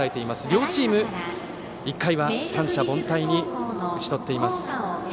両チーム、１回は三者凡退に打ち取っています。